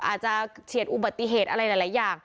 อาจจะเฉียดอุบัติเหตุอะไรหลายอย่าง